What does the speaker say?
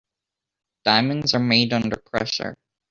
Diamonds are made under pressure.